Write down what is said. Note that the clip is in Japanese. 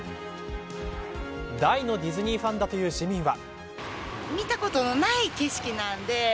大のディズニーファンだという市民は。